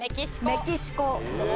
メキシコ。